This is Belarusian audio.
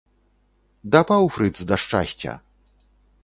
Дапаў фрыц да шчасця!